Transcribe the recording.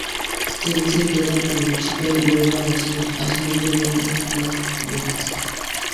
Sweet se queda con la chica, y luego, a su asombro, vende las ovejas.